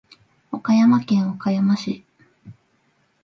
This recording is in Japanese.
岡山県岡山市